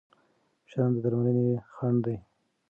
شرم د درملنې خنډ دی.